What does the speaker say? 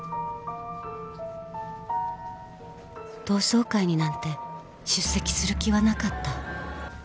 同窓会になんて出席する気はなかった